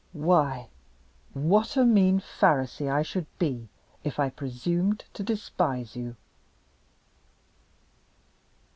Why, what a mean Pharisee I should be if I presumed to despise you!"